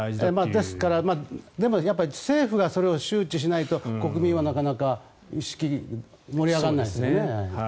ですからでも政府がそれを周知しないと国民は、なかなか盛り上がらないですよね。